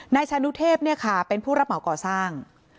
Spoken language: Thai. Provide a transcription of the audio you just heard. นายชานุเทพเป็นผู้รับเหมาก่อสร้าง